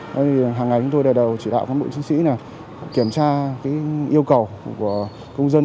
hàng ngày chúng tôi đề đầu chỉ đạo phán bộ chính sĩ kiểm tra yêu cầu của công dân